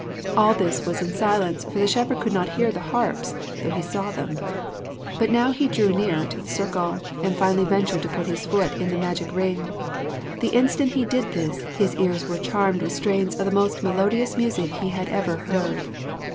All this was in silence, for the shepherd could not hear the harps, though he saw them. But now he drew nearer to the circle, and finally ventured to put his foot in the magic ring. The instant he did this, his ears were charmed with strains of the most melodious music he had ever heard.